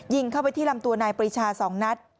ยิงเข้าไปที่ลำตัวนายปริชา๒นัด